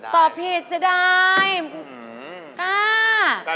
ถูกฟา